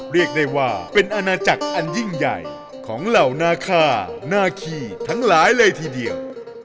เรียกได้ว่าเป็นอาณาจักรอันยิ่งใหญ่ของเหล่านาคานาคีทั้งหลายเลยทีเดียว